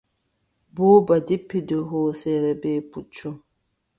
Buuba jippi dow hooseere bee puccu.